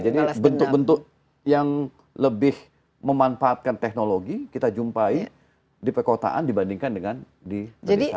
jadi bentuk bentuk yang lebih memanfaatkan teknologi kita jumpai di perkotaan dibandingkan dengan di pedesaan